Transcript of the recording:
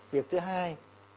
việc thứ hai